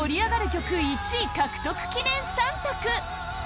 曲１位獲得記念３択